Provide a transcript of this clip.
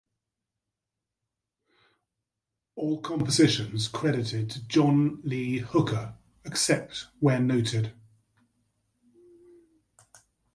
All compositions credited to John Lee Hooker except where noted